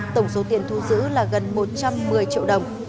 tổng số tiền thu giữ là gần một trăm một mươi triệu đồng